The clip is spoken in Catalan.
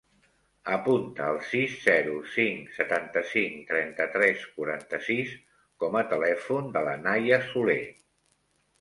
Apunta el sis, zero, cinc, setanta-cinc, trenta-tres, quaranta-sis com a telèfon de la Nahia Soler.